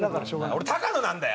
俺高野なんだよ！